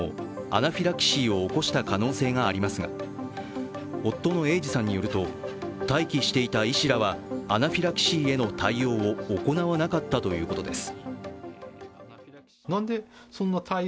アナフィラキシーを起こした可能性がありますが夫の英治さんによると、待機していた医師らはアナフィラキシーへの対応を行わなかったということです。